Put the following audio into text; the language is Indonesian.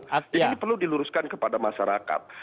jadi perlu diluruskan kepada masyarakat